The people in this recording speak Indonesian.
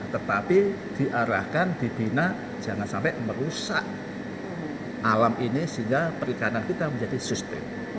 tetapi diarahkan dibina jangan sampai merusak alam ini sehingga perikanan kita menjadi sustain